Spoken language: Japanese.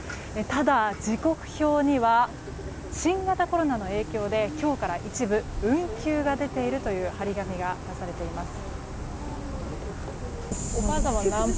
ただ、時刻表には新型コロナの影響で今日から一部運休が出ているという貼り紙が出されています。